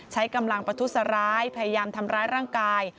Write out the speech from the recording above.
ใช้กำลังประทุษร้ายพยายามทำร้ายร่างกาย